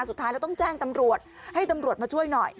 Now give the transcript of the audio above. สุดท้ายแล้วต้องแจ้งตำรวจให้ตำรวจมาช่วยหน่อย